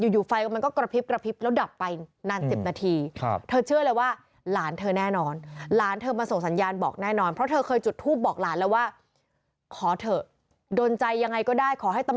อยู่ไฟมันก็กระพริบกระพริบแล้วดับไปนาน๑๐นาที